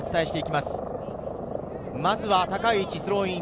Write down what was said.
まずは高い位置、スローイン。